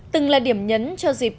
từng là điểm nhấn cho dịp